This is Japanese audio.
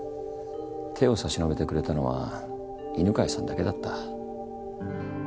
手を差し伸べてくれたのは犬飼さんだけだった。